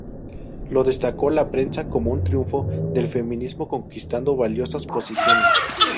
Lo destacó la prensa como un triunfo del feminismo conquistando valiosas posiciones.